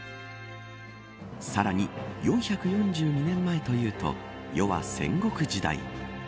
さらに４４２年前というと世は戦国時代。